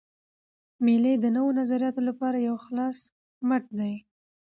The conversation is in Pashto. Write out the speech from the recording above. مېلې د نوو نظریاتو له پاره یو خلاص مټ دئ.